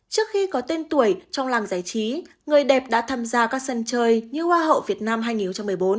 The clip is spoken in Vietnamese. trước khi có tên tuổi trong làng giải trí người đẹp đã tham gia các sân chơi như hoa hậu việt nam hai nghìn một mươi bốn